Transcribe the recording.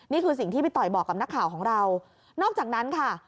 นี่คือสิ่งที่พี่ต่อยบอกกับนักข่าวของเรานอกจากนั้นค่ะ